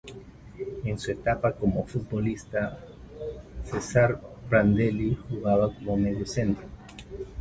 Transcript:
En su etapa como futbolista, Cesare Prandelli jugaba como mediocentro.